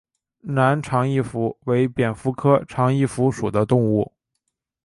南长翼蝠为蝙蝠科长翼蝠属的动物。